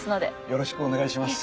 よろしくお願いします。